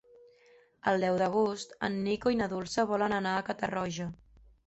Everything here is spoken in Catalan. El deu d'agost en Nico i na Dolça volen anar a Catarroja.